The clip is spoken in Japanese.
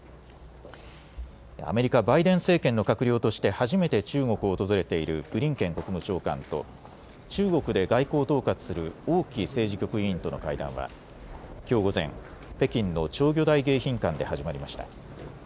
アメリカ・バイデン政権の閣僚として初めて中国を訪れているブリンケン国務長官と中国で外交を統括する王毅政治局委員との会談はきょう午前、北京の釣魚台迎賓館で始まりました。